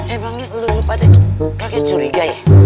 emangnya lu lupa deh kaget curiga ya